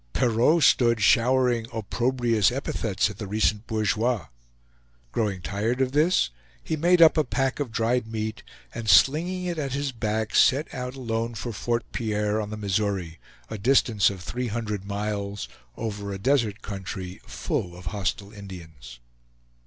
Perrault stood showering approbrious epithets at the recent bourgeois. Growing tired of this, he made up a pack of dried meat, and slinging it at his back, set out alone for Fort Pierre on the Missouri, a distance of three hundred miles, over a desert country full of hostile Indians.